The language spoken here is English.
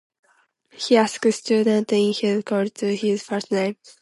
He asks students in his courses to use his first name.